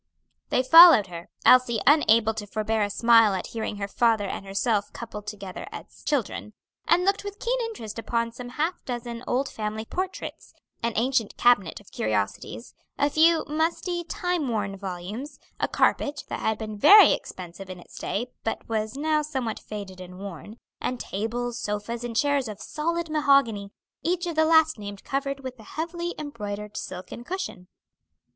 They followed her Elsie unable to forbear a smile at hearing her father and herself coupled together as "children" and looked with keen interest upon some half dozen old family portraits, an ancient cabinet of curiosities, a few musty, time worn volumes, a carpet that had been very expensive in its day, but was now somewhat faded and worn, and tables, sofas, and chairs of solid mahogany; each of the last named covered with a heavily embroidered silken cushion.